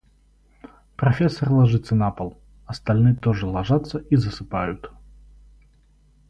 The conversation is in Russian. Профессор ложится на пол, остальные тоже ложатся и засыпают.